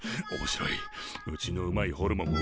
うちのうまいホルモンを宇宙に。